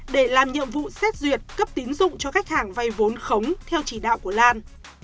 để làm nhiệm vụ xét duyệt cấp tín dụng cho khách hàng vay vốn khống theo chỉ đạo của lan